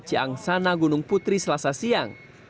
ciang sana gunung putri selasa siang